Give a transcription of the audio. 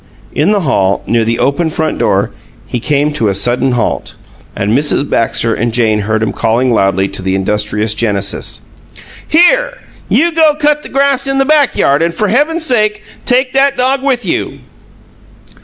In the hall, near the open front door, he came to a sudden halt, and Mrs. Baxter and Jane heard him calling loudly to the industrious Genesis: "Here! You go cut the grass in the back yard, and for Heaven's sake, take that dog with you!"